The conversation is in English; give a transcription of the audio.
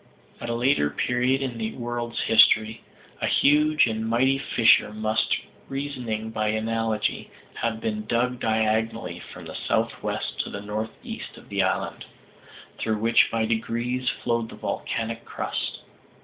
At a later period in the world's history, a huge and mighty fissure must, reasoning by analogy, have been dug diagonally from the southwest to the northeast of the island, through which by degrees flowed the volcanic crust.